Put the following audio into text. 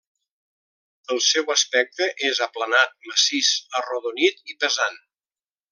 El seu aspecte és aplanat, massís, arrodonit i pesant.